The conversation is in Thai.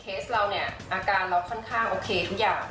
เราเนี่ยอาการเราค่อนข้างโอเคทุกอย่าง